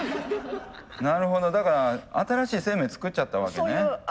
なるほどだから新しい生命を作っちゃったわけね。